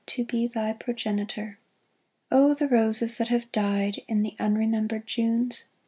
To be thy progenitor I " Oh, the roses that have died In the unremembered Junes